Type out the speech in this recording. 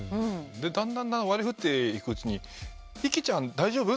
だんだん割り振っていくうちに「池ちゃん大丈夫？」